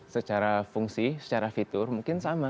secara fungsi secara fitur mungkin sama